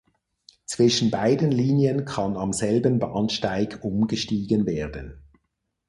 Zwischen beiden Linien kann am selben Bahnsteig umgestiegen werden.